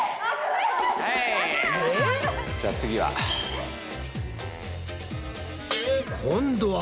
えっ？じゃあ次は。